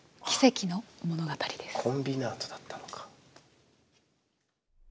コンビナートだったのか。